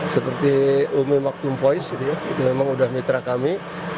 seperti umi maktum voice ini memang sudah mitra kami